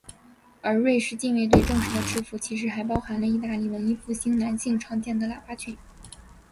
而瑞士近卫队正式的制服其实还包含了义大利文艺复兴男性常见的喇叭裙。